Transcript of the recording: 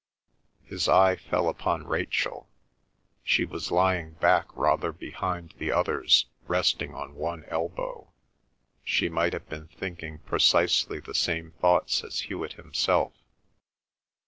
His eye fell upon Rachel. She was lying back rather behind the others resting on one elbow; she might have been thinking precisely the same thoughts as Hewet himself.